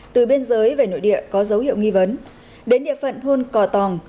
từ biên giới về nội địa có dấu hiệu nghi vấn đến địa phận thôn cò tòng